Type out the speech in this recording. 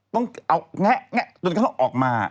ต้องเอาแงะจนก็ต้องออกมา